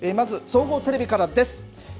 まず総合テレビからです。